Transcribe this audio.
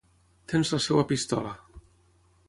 Tens la seva pistola.